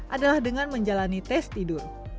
adalah dengan menjalani tes tidur